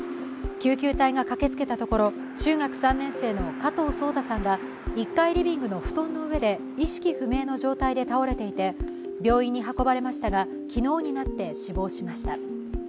救急隊が駆けつけたところ、中学３年生の加藤颯太さんが１階リビングの布団の上で意識不明の状態で倒れていて病院に運ばれましたが昨日になって死亡しました。